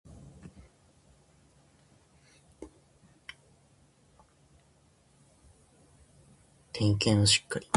点検をしっかり